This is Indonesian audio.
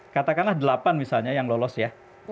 katakanlah delapan misalnya yang lolos ya